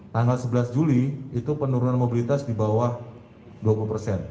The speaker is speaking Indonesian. tanggal sebelas juli itu penurunan mobilitas di bawah dua puluh persen